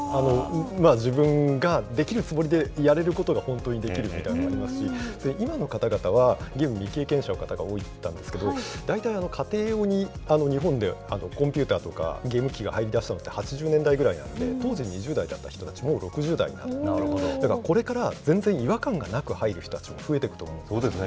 自分ができるつもりでやれることが本当にできるみたいなのありますし、今の方々は、ゲーム未経験者の方が多いって言ってたんですけど、大体、家庭に日本でコンピューターとか、ゲーム機が入りだしたのって８０年代ぐらいなんで、当時、２０代だった人たち、もう６０代になってる、これから全然違和感がなく入る人たち、増えてくると思うんですね。